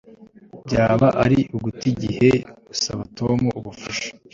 Byaba ari uguta igihe gusaba Tom gufasha